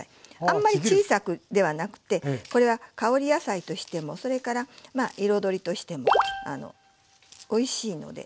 あんまり小さくではなくてこれは香り野菜としてもそれからまあ彩りとしてもおいしいので。